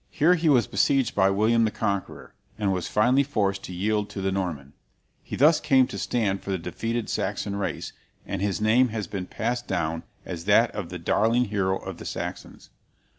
Here he was besieged by William the Conqueror, and was finally forced to yield to the Norman. He thus came to stand for the defeated Saxon race, and his name has been passed down as that of the darling hero of the Saxons.